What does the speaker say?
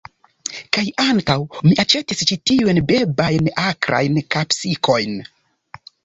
Kaj ankaŭ, mi aĉetis ĉi tiujn bebajn akrajn kapsikojn.